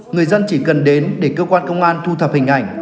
người dân chỉ cần đến để cơ quan công an thu thập hình ảnh